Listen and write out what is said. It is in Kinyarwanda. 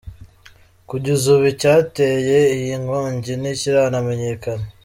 Kugeza ubu icyateye iyi nkongi ntikiramenyekana.